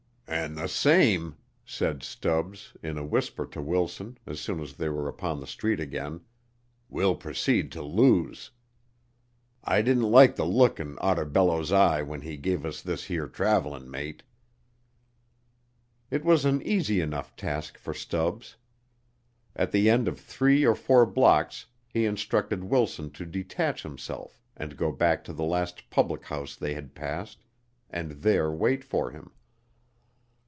"An' th' same," said Stubbs, in a whisper to Wilson as soon as they were upon the street again, "we'll proceed to lose. I didn't like th' look in Oteerballo's eye when he give us this 'ere travellin' mate." It was an easy enough task for Stubbs. At the end of three or four blocks he instructed Wilson to detach himself and go back to the last public house they had passed and there wait for him.